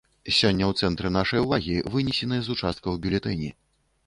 Сёння ў цэнтры нашай увагі вынесеныя з участкаў бюлетэні.